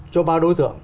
cho ba đối tượng